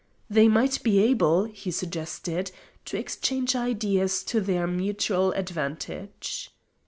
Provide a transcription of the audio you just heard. They might be able, he suggested, to exchange ideas to their mutual advantage.